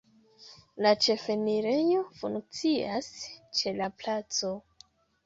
La ĉefenirejo funkcias ĉe la placo.